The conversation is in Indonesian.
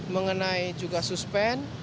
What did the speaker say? mengenai juga suspen